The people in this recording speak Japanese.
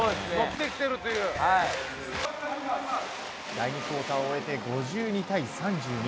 第２クオーターを終えて５２対３２。